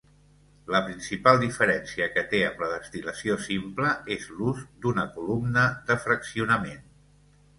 La principal diferència que té amb la destil·lació simple és l'ús d'una columna de fraccionament.